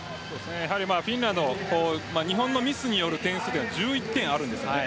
フィンランド日本のミスによる点数が１１点あるんです。